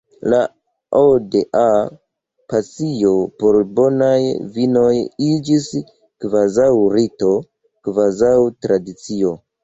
La "Aude-a" pasio por bonaj vinoj iĝis kvazaŭ rito, kvazaŭ tradicio.